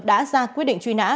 đã ra quyết định truy nã